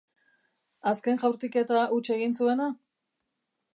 Azken jaurtiketa huts egin zuena?